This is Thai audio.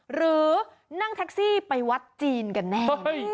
หรือนั่งแท็กซี่ไปวัดจีนกันแน่